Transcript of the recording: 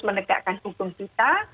menegakkan hukum kita